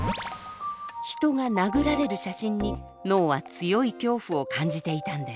人が殴られる写真に脳は強い恐怖を感じていたんです。